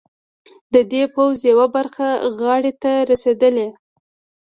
د دې پوځ یوه برخه غاړې ته رسېدلي.